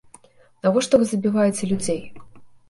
Навошта вы забіваеце людзей?